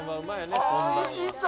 おいしそう！